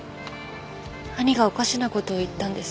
兄がおかしな事を言ったんです。